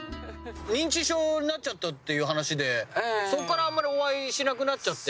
認知症になっちゃったっていう話でそこからあまりお会いしなくなっちゃって。